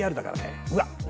うわっ何